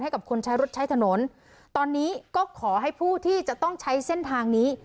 กับคนใช้รถใช้ถนนตอนนี้ก็ขอให้ผู้ที่จะต้องใช้เส้นทางนี้